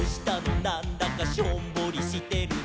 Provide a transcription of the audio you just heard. なんだかしょんぼりしてるね」